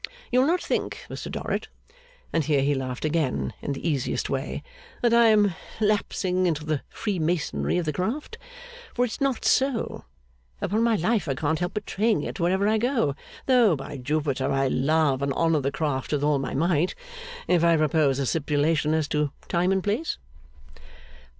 You'll not think, Mr Dorrit,' and here he laughed again in the easiest way, 'that I am lapsing into the freemasonry of the craft for it's not so; upon my life I can't help betraying it wherever I go, though, by Jupiter, I love and honour the craft with all my might if I propose a stipulation as to time and place?